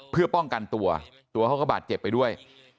เพื่อป้องกันตัวตัวเขาก็บาดเจ็บไปด้วย